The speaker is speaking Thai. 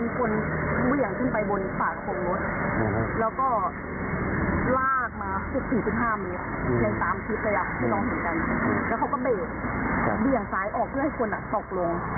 ในตามทีประหยัดที่น้องเห็นแฟนแล้วเขาก็เบบเวียงซ้ายออกเพื่อให้คนตกลง